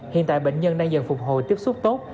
hiện tại bệnh nhân đang dần phục hồi tiếp xúc tốt